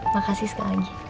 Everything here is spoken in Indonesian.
makasih sekali lagi